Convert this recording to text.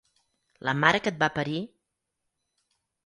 La mare que et va parir!